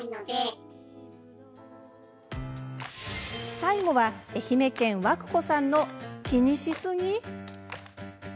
最後は、愛媛県わくこさんの気にしすぎ？